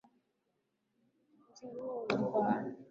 Msingi huo unafaa.